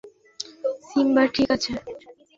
Simba ঠিক আছে।